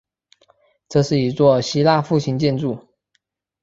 这是一座希腊复兴建筑。